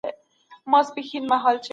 ښه وينا کول د صدقې ثواب لري.